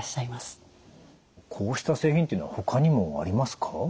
こうした製品というのはほかにもありますか？